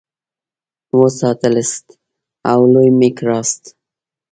وساتلاست او لوی مي کړلاست.